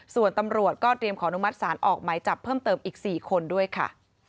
ส่วนตำรวจก็เตรียมขออนุมัติศาลออกหมายจับเพิ่มเติมอีก๔คนด้วยค่ะ